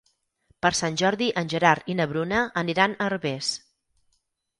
Per Sant Jordi en Gerard i na Bruna aniran a Herbers.